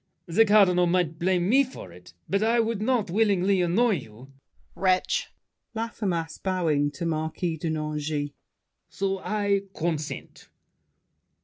The Cardinal might blame me for it, but I would not willingly annoy you— DIDIER. Wretch! LAFFEMAS (bowing to Marquis de Nangis). So I consent.